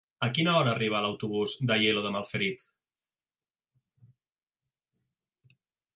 A quina hora arriba l'autobús d'Aielo de Malferit?